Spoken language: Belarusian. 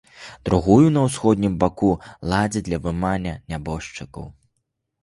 Другую на ўсходнім баку ладзяць для вымання нябожчыкаў.